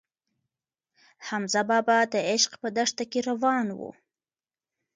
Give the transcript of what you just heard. حمزه بابا د عشق په دښته کې روان و.